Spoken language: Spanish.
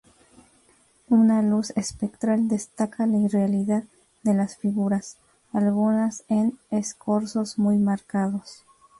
Una luz espectral destaca la irrealidad de las figuras, algunas en escorzos muy marcados.